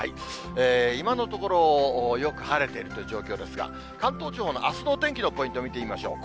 今のところ、よく晴れてるという状況ですが、関東地方のあすのお天気のポイントを見てみましょう。